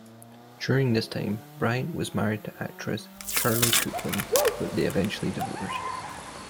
During this time, Bryant was married to actress, Shirley Cooklin, but they eventually divorced.